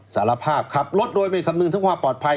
สารภาพขับรถโดยไม่คำนึงถึงความปลอดภัย